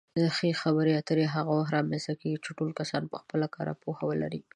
ښې خبرې اترې هغه وخت رامنځته کېږي چې ټول کسان پخپله کره پوهه ورکوي.